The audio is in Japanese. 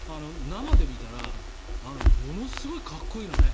生で見たらものすごいかっこいいのね。